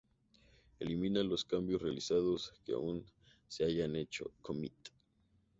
Elimina los cambios realizados que aún no se hayan hecho "commit".